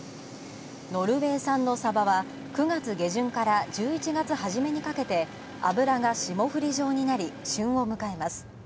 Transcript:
ノルウェー産のサバは９月下旬から１１月初めにかけて脂が霜降り状になり、旬を迎えます。